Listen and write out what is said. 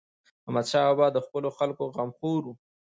احمدشاه بابا د خپلو خلکو غمخور و.